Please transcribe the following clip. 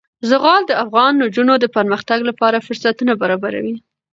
زغال د افغان نجونو د پرمختګ لپاره فرصتونه برابروي.